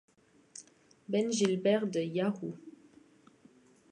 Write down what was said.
Ben Gilbert de Yahoo!